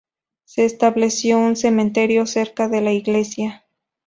Se estableció un cementerio cerca de la iglesia.